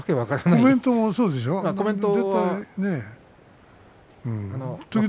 コメントもそうでしょう？